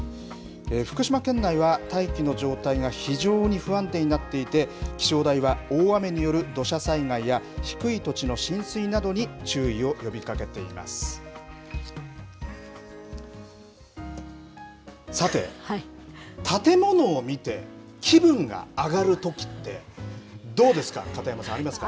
福島県内は大気の状態が非常に不安定になっていて、気象台は大雨による土砂災害や低い土地の浸水などに注意を呼びかさて、建物を見て、気分が上がるときってどうですか、片山さん、ありますか？